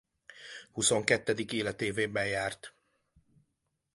Huszonkettedik életévében járt.